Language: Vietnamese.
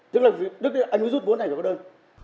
tức là anh hứa rút bốn này rồi có đơn